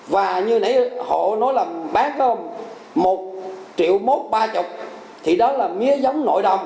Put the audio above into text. và như nãy họ nói là bán có một triệu một ba mươi thì đó là mía giống nội đồng